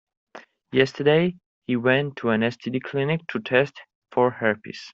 Yesterday, he went to an STD clinic to test for herpes.